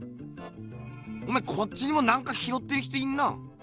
おめぇこっちにもなんか拾ってる人いんな。